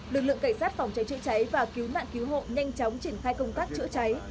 lực lượng cảnh sát phòng cháy chữa cháy và cứu nạn cứu hộ nhanh chóng triển khai công tác chữa cháy